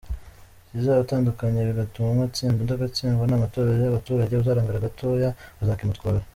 Ikizabatandukanye bigatuma umwe atsinda undi agatisndwa, ni amatora y’abaturage, uzarangara gatoya bazakimutwara.